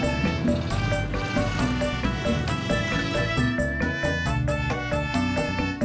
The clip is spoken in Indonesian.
gak ada sih